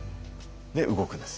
で動くんです